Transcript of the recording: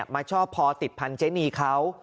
มาชอบพอติดพันธนีเขา